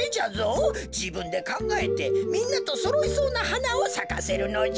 じぶんでかんがえてみんなとそろいそうなはなをさかせるのじゃ。